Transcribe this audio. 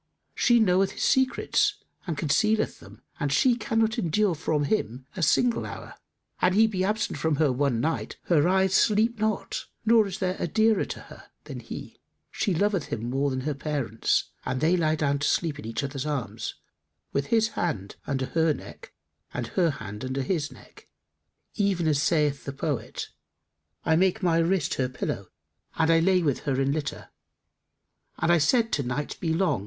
She knoweth his secrets and concealeth them and she cannot endure from him a single hour.[FN#286] An he be absent from her one night, her eyes sleep not, nor is there a dearer to her than he: she loveth him more than her parents and they lie down to sleep in each other's arms, with his hand under her neck and her hand under his neck, even as saith the poet, 'I made my wrist her pillow and I lay with her in litter; * And I said to Night 'Be long!